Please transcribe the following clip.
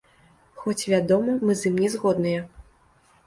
Хоць, вядома, мы з ім не згодныя.